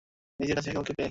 নিজের কাছে কাউকে পেয়ে।